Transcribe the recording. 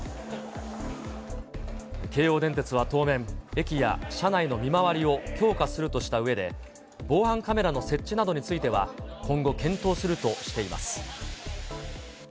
京王電鉄は当面、駅や車内の見回りを強化するとしたうえで、防犯カメラの設置などについては、今後検討するとしています。